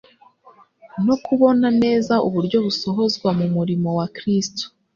no kubona neza uburyo busohozwa mu murimo wa Kristo.